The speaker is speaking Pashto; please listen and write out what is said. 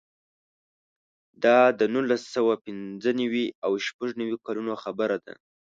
دا د نولس سوه پنځه نوې او شپږ نوې کلونو خبره ده.